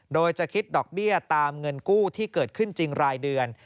โดยจะคิดดอกเบี้ยตามเงินกู้ที่เกิดขึ้นจริงรายเดือน